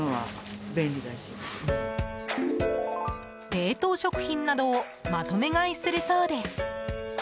冷凍食品などをまとめ買いするそうです。